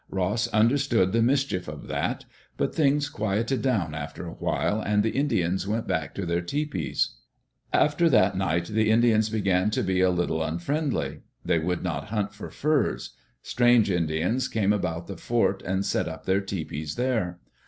Ross understood the mischief of that. But things quieted down after a while and the Indians went back to their tepees. Digitized by VjOOQ IC EARLY DAYS IN OLD OREGON After that night the Indians began to be a little un friendly. They would not hunt for furs. Strange Indians came about the fort and set up their tepees there.